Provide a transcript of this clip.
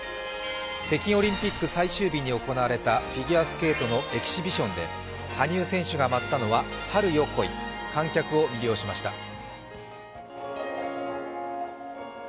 北京オリンピック最終日に行われたフィギュアスケートのエキシビションで羽生選手が舞ったのは「春よ、来い」観客を魅了しました。